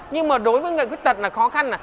nhưng mà đối với người khuyết tật là khó khăn